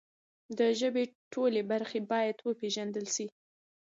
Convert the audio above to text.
د ژبې ټولې برخې باید وپیژندل سي.